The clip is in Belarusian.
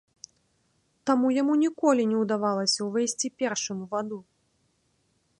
Таму яму ніколі не ўдавалася ўвайсці першым у ваду.